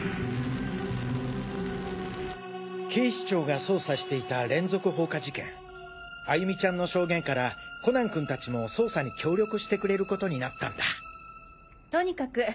警視庁が捜査していた連続放火事件歩美ちゃんの証言からコナン君たちも捜査に協力してくれることになったんだとにかく